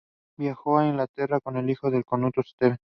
His team is also studying the evolution of axonal guidance mechanisms.